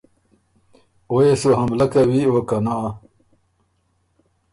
آیا او يې سو حملۀ کوی او که نا۔